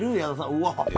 うわっ！